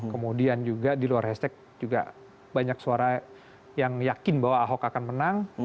kemudian juga di luar hashtag juga banyak suara yang yakin bahwa ahok akan menang